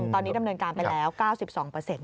ตอนนี้ดำเนินการไปแล้ว๙๒เปอร์เซ็นต์